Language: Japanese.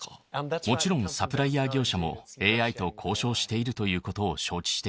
もちろんサプライヤー業者もＡＩと交渉していることを承知してます。